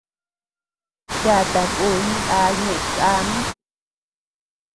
Yata kun ndá ñeʼe káa mi.